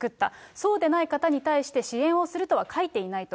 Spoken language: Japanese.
そうでない方に対して、支援をするとは書いていないと。